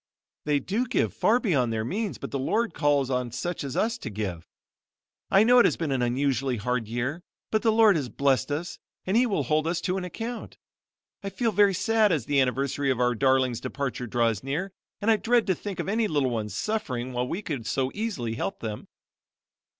"They do give far beyond their means but the Lord calls on such as us to give. I know it has been an unusually hard year but the Lord has blessed us and He will hold us to an account. I feel very sad as the anniversary of our darlings' departure draws near and I dread to think of any little ones suffering while we could so easily help them."